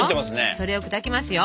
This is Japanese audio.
それを砕きますよ。